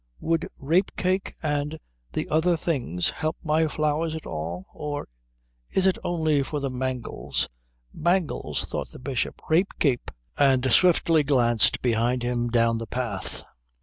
"Would rape cake and the other thing help my flowers at all, or is it only for the mangels?" "Mangels!" thought the Bishop, "Rape cake!" And swiftly glanced behind him down the path.